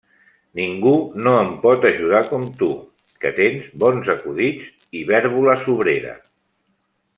Ningú no em pot ajudar com tu, que tens bons acudits i vèrbola sobrera.